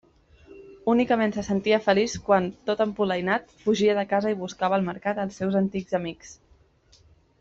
Únicament se sentia feliç quan, tot empolainat, fugia de casa i buscava al Mercat els seus antics amics.